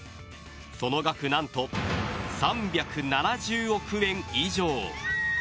その額何と、３７０億円以上。